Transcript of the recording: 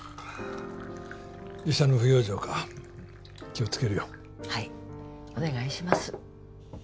医者の不養生か気をつけるよはいお願いします